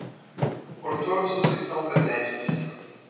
Por todos os que estão presentes.